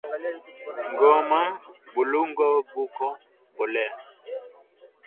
Goma bulongo buko mboleo